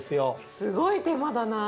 すごい手間だな。